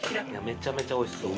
めちゃめちゃおいしそう。